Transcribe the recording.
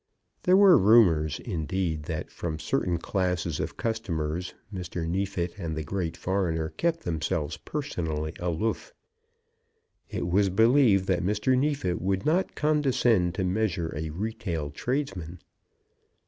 There were rumours, indeed, that from certain classes of customers Mr. Neefit and the great foreigner kept themselves personally aloof. It was believed that Mr. Neefit would not condescend to measure a retail tradesman.